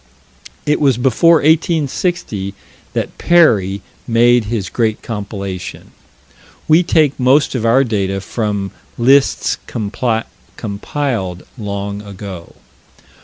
It was before 1860 that Perrey made his great compilation. We take most of our data from lists compiled long ago.